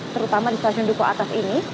terutama di stasiun duku atas ini